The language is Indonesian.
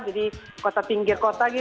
jadi kota pinggir kota gitu